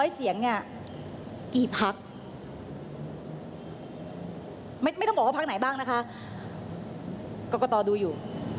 เสียงเนี่ยกี่พักไม่ต้องบอกว่าพักไหนบ้างนะคะกรกตดูอยู่